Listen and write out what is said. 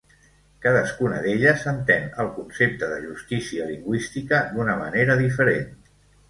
Cadascuna d'elles entén el concepte de justícia lingüística d'una manera diferent.